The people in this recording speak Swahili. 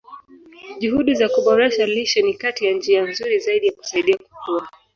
Juhudi za kuboresha lishe ni kati ya njia nzuri zaidi za kusaidia kukua.